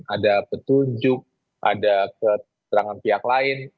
ada petunjuk ada keterangan pihak lain